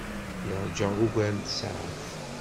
Yeṛja ugar n tsaɛet.